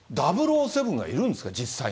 ００７がいるんですか。